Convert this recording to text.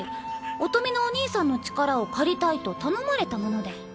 音美のお兄さんの力を借りたいと頼まれたもので。